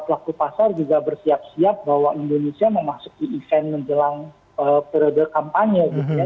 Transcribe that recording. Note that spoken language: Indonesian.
pelaku pasar juga bersiap siap bahwa indonesia memasuki event menjelang periode kampanye gitu ya